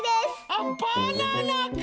あバナナか！